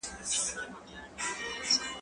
ايا ته اوبه پاکوې